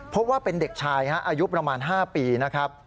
พบว่าเป็นเด็กชายอายุประมาณ๕ปีนะครับ